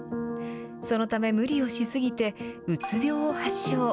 そのため無理をしすぎてうつ病を発症。